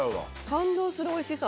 感動するおいしさ。